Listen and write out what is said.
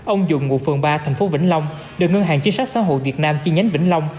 ông dùng ngụ phường ba thành phố bến long đợi ngân hàng chính sách xã hội việt nam chi nhánh bến long